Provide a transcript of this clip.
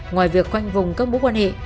ngoài việc quanh vùng các bố quan hệ